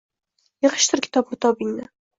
Yigʻishtir, kitob-mitobingni